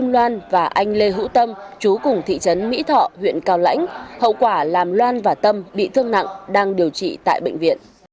lê hữu tâm chú cùng thị trấn mỹ thọ huyện cao lãnh hậu quả làm loan và tâm bị thương nặng đang điều trị tại bệnh viện